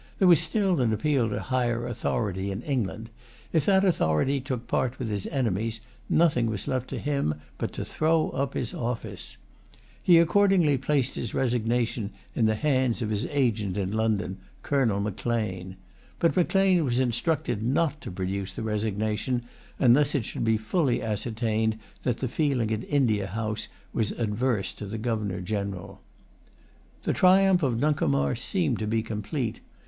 There was still an appeal to higher authority in England. If that authority took part with his enemies, nothing was left to him but to throw up his office. He accordingly placed his resignation in the hands of his agent in London, Colonel Macleane. But Macleane was instructed not to produce the resignation, unless it should be fully ascertained that the feeling at the India House was adverse to the Governor General. The triumph of Nuncomar seemed to be complete.